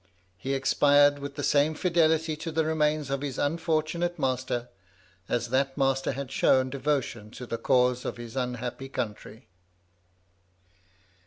He expired with the same fidelity to the remains of his unfortunate master, as that master had shown devotion to the cause of his unhappy country.